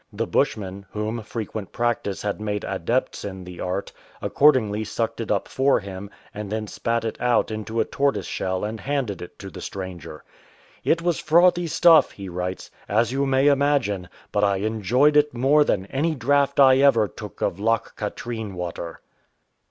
The Bushmen, whom frequent practice had made adepts in the art, accordingly sucked it up for him, and then spat it out into a tortoise shell and handed it to the stranger. "It was frothy stuff,"" he writes, "as you may imagine; but I enjoyed it more than any draught I ever took of Loch Katrine water."